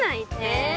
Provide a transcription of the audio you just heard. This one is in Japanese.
え。